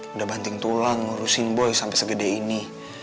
udah banting tulang ngurusin boy sampai segede ini